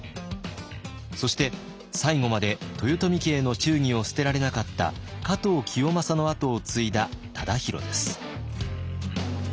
そして最後まで豊臣家への忠義を捨てられなかった加藤清正の跡を継いだ忠広です。